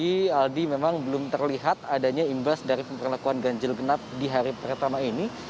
kondisi aldi memang belum terlihat adanya imbas dari pemberlakuan ganjil genap di hari pertama ini